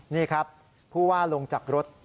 นี่ครับผู้ว่าลงจากรถ